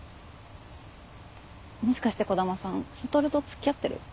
もしかして兒玉さん羽とつきあってる？